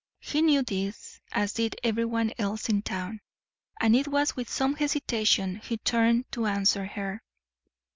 He knew this, as did everyone else in town, and it was with some hesitation he turned to answer her.